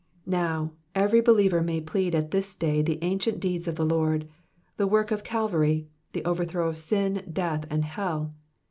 Now, every believer may plead at this day the ancient deeds of the Lord, the work of Calvary, the over throw of sin, death, and hell.